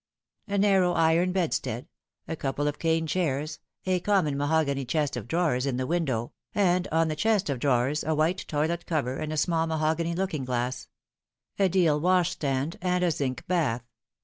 A narrow iron bedstead, a couple of cane chairs, a common mahogany chest of drawers in the window, and on the chest of drawers a white toilet cover and a small mahogany looking glass a deal washstand and a zinc bath.